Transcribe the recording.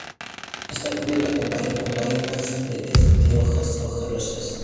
Está cubierta con vainas persistentes, de hojas fibrosas.